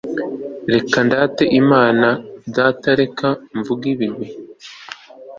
r/ reka ndate imana data, reka mvuge ibigwi